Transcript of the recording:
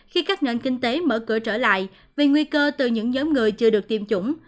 khi các nền kinh tế mở cửa trở lại vì nguy cơ từ những nhóm người chưa được tiêm chủng